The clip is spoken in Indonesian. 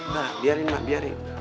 nah biarin mak biarin